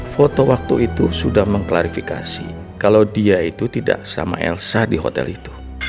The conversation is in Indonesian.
foto waktu itu sudah mengklarifikasi kalau dia itu tidak sama elsa di hotel itu